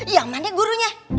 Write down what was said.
yang mana gurunya hah